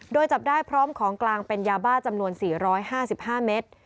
โดยจับได้พร้อมของกลางเป็นยาบ้าจำนวน๔๕๕เมตร